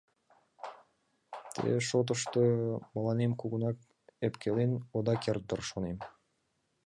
Ты шотышто мыланем кугунак ӧпкелен ода керт дыр, шонем.